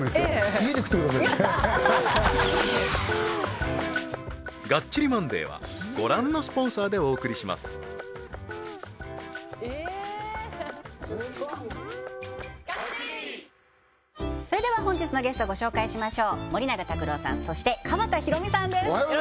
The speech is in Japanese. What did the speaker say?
家で食ってください本日のゲストご紹介しましょう森永卓郎さんそして川田裕美さんです